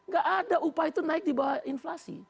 gak ada upah itu naik di bawah inflasi